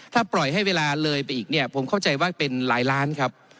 ถ้าปล่อยให้เวลาเลยไปอีกเนี่ยผมเข้าใจว่าเป็นหลายล้านครับ